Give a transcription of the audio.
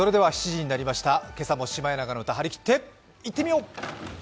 ７時になりました、今朝もシマエナガの歌、はりきっていってみよう！